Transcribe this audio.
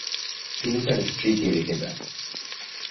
তিনি তার স্ত্রীকে রেখে যান।